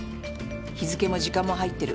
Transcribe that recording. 日付も時間も入ってる。